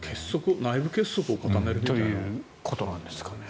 内部結束を固めるということですかね。